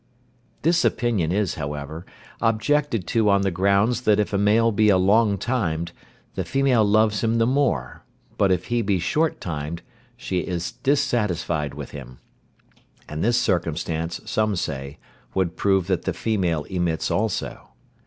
This opinion is, however, objected to on the grounds that if a male be a long timed, the female loves him the more, but if he be short timed, she is dissatisfied with him. And this circumstance, some say, would prove that the female emits also.